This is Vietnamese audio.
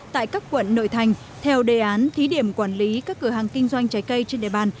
tại các quận nội thành theo đề án thí điểm quản lý các cửa hàng kinh doanh trái cây trên địa bàn